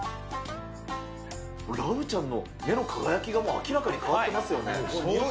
ラブちゃんの目の輝きが、もう明らかに変わってますよね。